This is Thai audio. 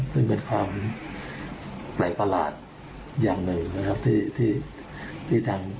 ซึ่งเป็นความแปลกประหลาดอย่างหนึ่งนะครับที่ทาง